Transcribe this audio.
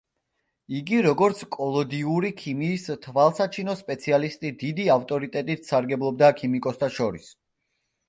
იგი როგორც კოლოდიური ქიმიის თვალსაჩინო სპეციალისტი დიდი ავტორიტეტით სარგებლობდა ქიმიკოსთა შორის.